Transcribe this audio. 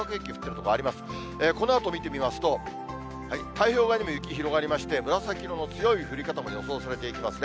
このあと見てみますと、太平洋側でも雪が広がりまして、紫色の強い降り方も予想されていますね。